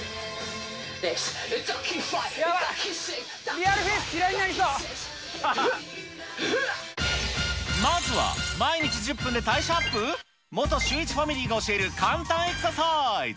やばい、Ｒｅａｌまずは、毎日１０分で代謝アップ、元シューイチファミリーが教える簡単エクササイズ。